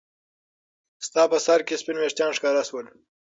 ستا په سر کې سپین ويښتان ښکاره شول.